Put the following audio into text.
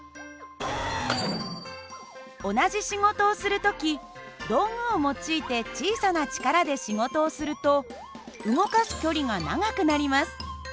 同じ仕事をする時道具を用いて小さな力で仕事をすると動かす距離が長くなります。